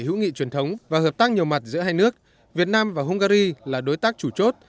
hữu nghị truyền thống và hợp tác nhiều mặt giữa hai nước việt nam và hungary là đối tác chủ chốt